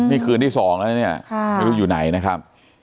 นี่คืนที่๒แล้วนะเนี่ยไม่รู้อยู่ไหนนะครับ